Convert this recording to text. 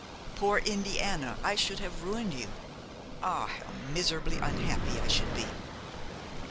Poor Indiana! I should have ruined you! Ah! how miserably unhappy I should be!